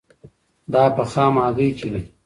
دا په خامه هګۍ کې وي.